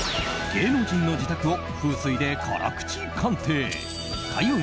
芸能人の自宅を風水で辛口鑑定開運！